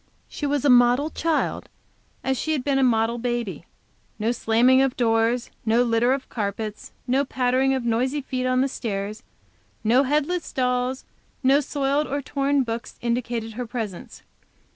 She was a model child, as she had been a model baby. No slamming of doors, no litter of carpets, no pattering of noisy feet on the stairs, no headless dolls, no soiled or torn books indicated her presence.